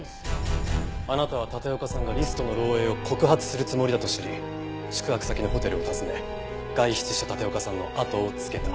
あなたは立岡さんがリストの漏洩を告発するつもりだと知り宿泊先のホテルを訪ね外出した立岡さんのあとをつけた。